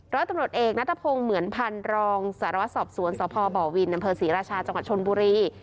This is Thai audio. ร้อยตำรวจเอกนัทพงศ์เหมือนพันธ์รองสารวัตรสอบสวนสพบวินอำเภอศรีราชาจังหวัดชนบุรี